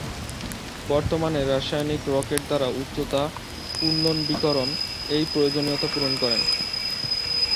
বর্তমানে, রাসায়নিক রকেট দ্বারা উচ্চতা পুনর্নবীকরণ এই প্রয়োজনীয়তা পূরণ করে।